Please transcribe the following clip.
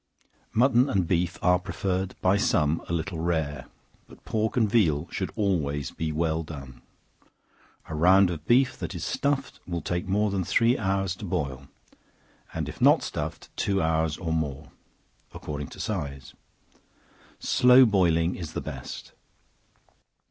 Mutton and beef are preferred, by some, a little rare; but pork and veal should always be well done. A round of beef that is stuffed, will take more than three hours to boil, and if not stuffed, two hours or more, according to the size; slow boiling is the best.